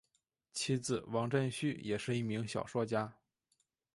其子王震绪也是一名小说家。